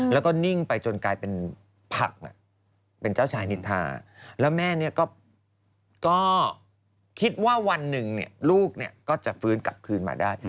แล้วก็นิ่งไปจนกลายเป็นผักเป็นเจ้าชายนินทาแล้วแม่ก็คิดว่าวันหนึ่งลูกก็จะฟื้นกลับคืนมาได้